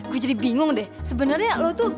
gue jadi bingung deh sebenarnya lo tuh